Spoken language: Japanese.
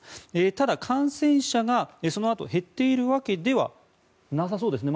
ただ、感染者がそのあと減っているわけではなさそうですね。